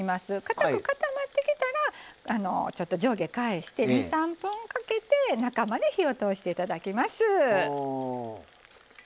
かたく固まってきたらちょっと上下返して２３分かけて中まで火を通していただきます。